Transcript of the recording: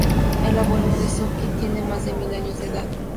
El abuelo de Sookie tiene más de mil años de edad.